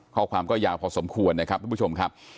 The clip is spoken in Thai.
ข้อความก็ยาวพอสมควรนะครับทุกผู้ชมครับ